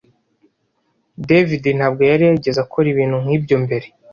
David ntabwo yari yarigeze akora ibintu nkibyo mbere